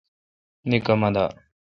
نیکھ اُما دا۔